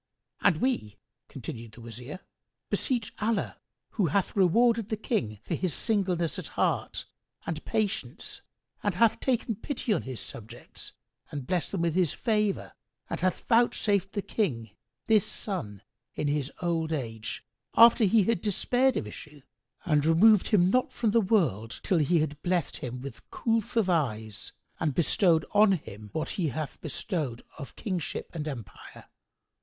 "And we," continued the Wazir, "beseech Allah (who hath rewarded the King for his singleness of heart and patience and hath taken pity on his subjects and blessed them with His favour and hath vouchsafed the King this son in his old age, after he had despaired of issue and removed him not from the world, till He had blessed him with coolth of eyes and bestowed on him what He hath bestowed of Kingship and Empire!)